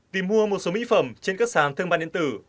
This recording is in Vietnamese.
tìm mua một số mỹ phẩm trên các sàn thương mại điện tử